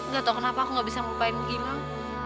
gak tau kenapa aku gak bisa ngelupainmu hilang